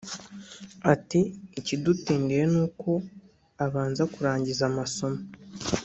Ati “Ikidutindiye ni uko abanza kurangiza amasomo